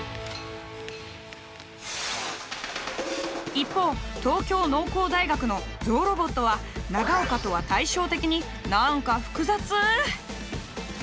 一方東京農工大学のゾウロボットは長岡とは対照的になんか複雑！